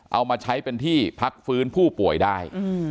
เอามาใช้เป็นที่พักฟื้นผู้ป่วยได้